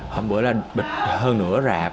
hôm bữa là bịt hơn nửa rạp